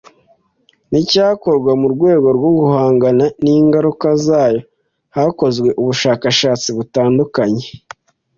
n icyakorwa mu rwego rwo guhangana n ingaruka zayo hakozwe ubushakashatsi butandukanye